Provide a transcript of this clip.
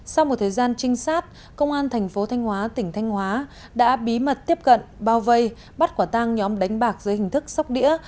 sau một thời gian trinh sát công an thành phố thanh hóa tỉnh thanh hóa đã bí mật tiếp cận bao vây bắt quả tang nhóm đánh bạc dưới hình thức sóc đĩa